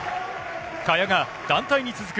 萱が団体に続く